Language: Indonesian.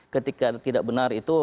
ketika tidak benar itu